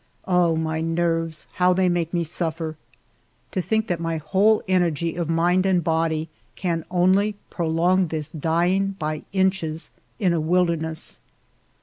Oh, my nerves, how they make me suffer! To think that my whole energy of mind and body can only prolong this dying by inches in a wilderness.